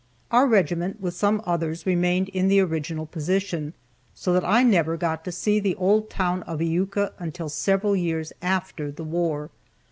Our regiment, with some others, remained in the original position, so that I never got to see the old town of Iuka until several years after the war.